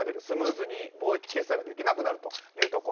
スムーズに貿易決済ができなくなると。